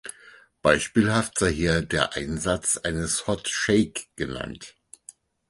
Beispielhaft sei hier der Einsatz eines Hot-Shake genannt.